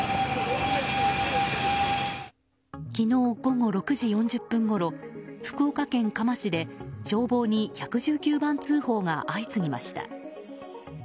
昨日午後６時４０分ごろ福岡県嘉麻市で消防に１１９番通報が相次ぎました。